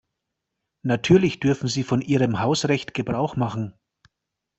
Natürlich dürfen Sie von Ihrem Hausrecht Gebrauch machen.